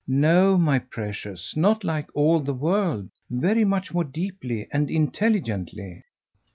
"No, my precious, not like all the world. Very much more deeply and intelligently."